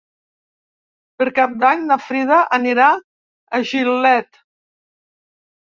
Per Cap d'Any na Frida anirà a Gilet.